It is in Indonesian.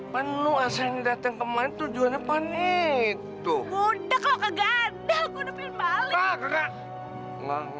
penuh aslin dateng kemari tujuannya panik tuh muda kau kegadal gue beli balik